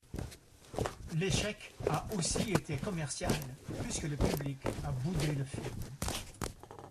L'échec a aussi été commercial puisque le public a boudé le film.